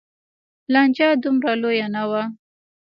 لانجه هومره لویه نه وه.